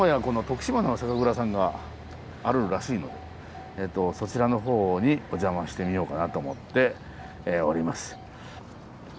徳島の酒蔵さんがあるらしいのでそちらのほうにお邪魔してみようかなと思っております。